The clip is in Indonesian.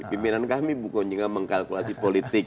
pimpinan kami buko juga mengkalkulasi politik